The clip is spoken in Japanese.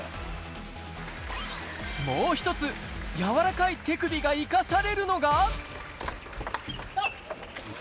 もう一つ、柔らかい手首が生かされるのが。